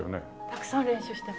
たくさん練習してます。